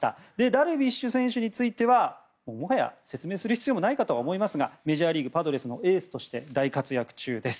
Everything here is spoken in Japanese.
ダルビッシュ選手についてはもはや説明する必要もないかと思いますがメジャーリーグ、パドレスのエースとして大活躍中です。